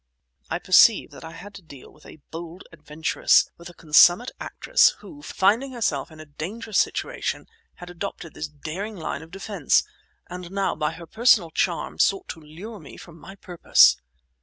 I perceive that I had to deal with a bold adventuress, with a consummate actress, who, finding herself in a dangerous situation, had adopted this daring line of defence, and now by her personal charm sought to lure me from my purpose.